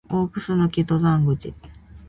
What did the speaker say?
大楠登山口